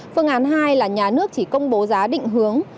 phương án hai là nhà nước chỉ công bố giá định hướng